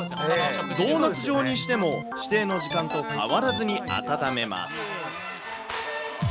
ドーナツ状にしても、指定の時間と変わらずに温めます。